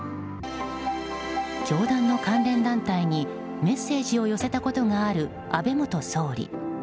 教団の関連団体にメッセージを寄せたことがある安倍元総理。